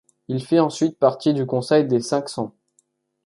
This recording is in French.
Il fit ensuite partie du conseil des Cinq-Cents.